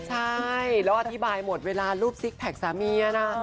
ใช่แล้วอธิบายหมดเวลารูปซิกแพคสามีนะ